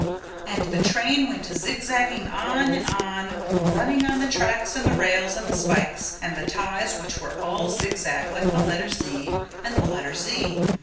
And the train went zigzagging on and on running on the tracks and the rails and the spikes and the ties which were all zigzag like the letter Z and the letter Z.